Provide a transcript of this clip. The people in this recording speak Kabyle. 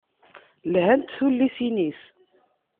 Lhant tullisin-is.